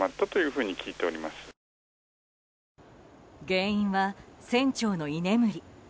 原因は船長の居眠り。